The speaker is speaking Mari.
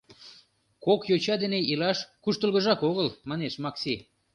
— Кок йоча дене илаш куштылгыжак огыл, — манеш Макси.